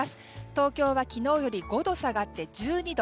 東京は昨日より５度下がって１２度。